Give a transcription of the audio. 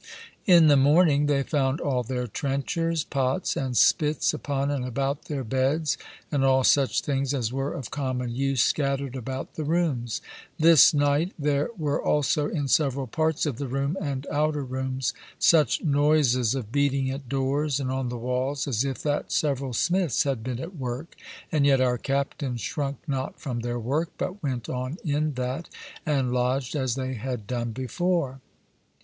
In the morning they found all their trenchers, pots, and spits, upon and about their beds, and all such things as were of common use scattered about the rooms. This night there were also, in several parts of the room and outer rooms, such noises of beating at doors, and on the walls, as if that several smiths had been at work; and yet our captains shrunk not from their work, but went on in that, and lodged as they had done before.